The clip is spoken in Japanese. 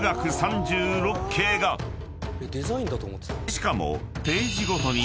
［しかも］